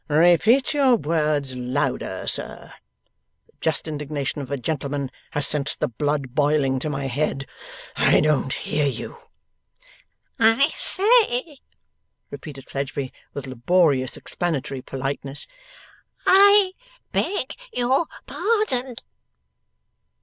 'Repeat your words louder, sir. The just indignation of a gentleman has sent the blood boiling to my head. I don't hear you.' 'I say,' repeated Fledgeby, with laborious explanatory politeness, 'I beg your pardon.